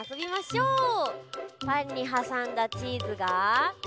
パンにはさんだチーズが。